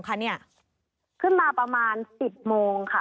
ขึ้นมาประมาณ๑๐โมงค่ะ